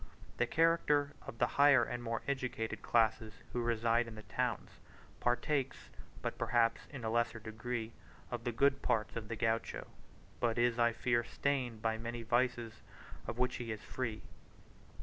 The character of the higher and more educated classes who reside in the towns, partakes, but perhaps in a lesser degree, of the good parts of the Gaucho, but is, I fear, stained by many vices of which he is free.